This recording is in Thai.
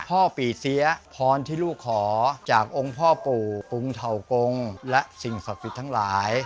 พ่อปีเซียพรที่ลูกขอจากองค์พ่อปู่ปึ้งเถาโกงและสิ่งศัพท์ผิดทั้งหลาย